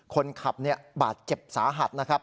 คนขับบาดเจ็บสาหัสนะครับ